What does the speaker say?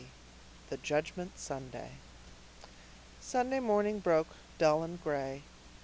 THE JUDGMENT SUNDAY Sunday morning broke, dull and gray.